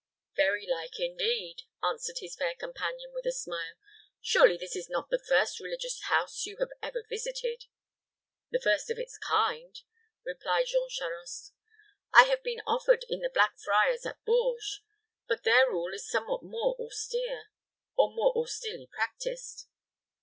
"Very like, indeed," answered his fair companion, with a smile. "Surely this is not the first religious house you have ever visited." "The first of its kind," replied Jean Charost; "I have been often in the Black Friars at Bourges, but their rule is somewhat more austere, or more austerely practiced."